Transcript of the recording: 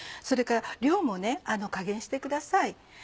それから量も加減してください。